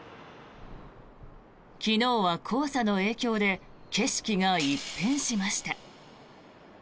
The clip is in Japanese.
昨日は黄砂の影響で景色が一変しました。